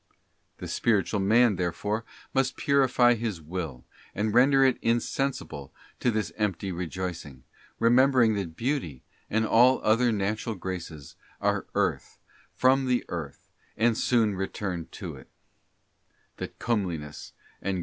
The spiritual man, therefore, must purify his Will, and render it insensible to this empty rejoicing, remembering that beauty, and all other natural graces, are earth, from the earth, and soon return to it; that comeliness and grace are * Proy.